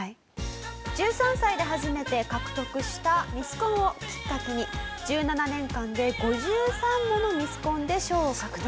１３歳で初めて獲得したミスコンをきっかけに１７年間で５３ものミスコンで賞を獲得。